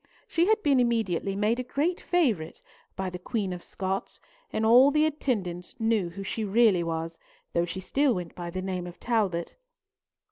She had been immediately made a great favourite by the Queen of Scots, and the attendants all knew who she really was, though she still went by the name of Talbot.